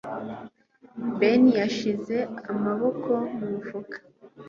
Ben yashyize amaboko mu mufuka.